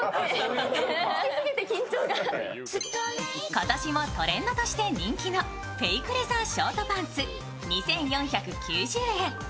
今年もトレンドとして人気のフェイクレザーショートパンツ２４９０円。